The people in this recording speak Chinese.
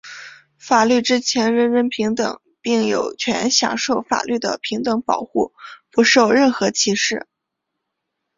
法律之前人人平等,并有权享受法律的平等保护,不受任何歧视。